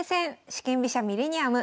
四間飛車ミレニアム」